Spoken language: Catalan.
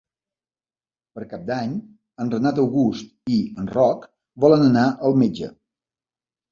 Per Cap d'Any en Renat August i en Roc volen anar al metge.